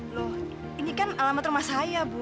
loh ini kan alamat rumah saya bu